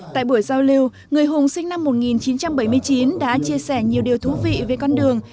tại buổi giao lưu người hùng sinh năm một nghìn chín trăm bảy mươi chín đã chia sẻ nhiều điều thú vị về con đường